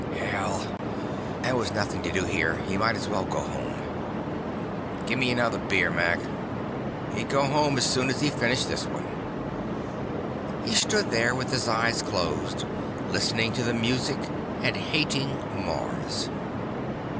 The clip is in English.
Hell! There was nothing to do here. He might as well go home. "Gimme another beer, Mac." He'd go home as soon as he finished this one. He stood there with his eyes closed, listening to the music and hating Mars.